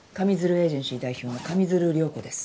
エージェンシー代表の上水流涼子です。